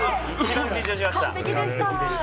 完璧でした。